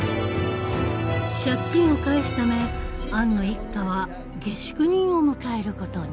借金を返すためアンの一家は下宿人を迎えることに。